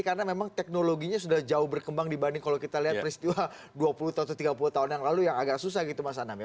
karena memang teknologinya sudah jauh berkembang dibanding kalau kita lihat peristiwa dua puluh atau tiga puluh tahun yang lalu yang agak susah gitu mas anam ya